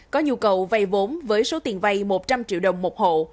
có nhu cầu vây vốn với số tiền vây một trăm linh triệu đồng một hộ